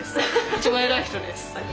一番偉い人です。